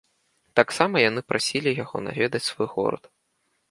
Таксама яны прасілі яго наведаць свой горад.